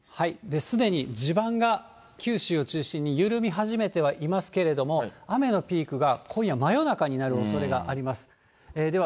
すでに地盤が九州を中心に緩み始めてはいますけれども、雨のピークが今夜真夜中になるおそれがあります。